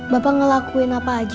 bapak ngelakuin apa aja